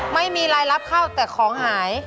ไม่มีรายรับเข้าแต่ของหาย